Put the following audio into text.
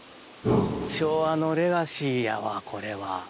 昭和のレガシーやわこれは。